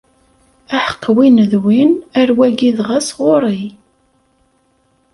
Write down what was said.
Aḥeqq win d win, ar wagi dɣa sɣuṛ-i!